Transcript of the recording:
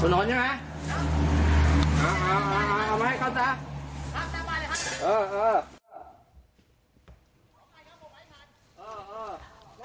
ตรงหลดใช่ไหมเอามาให้เขาจ้ะครับตามมาเลยครับเออเออ